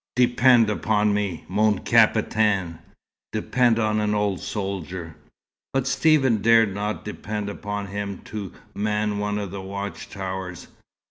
Depend upon me, mon capitaine. Depend on an old soldier." But Stephen dared not depend upon him to man one of the watch towers.